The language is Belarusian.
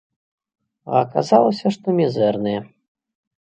А аказалася, што мізэрныя.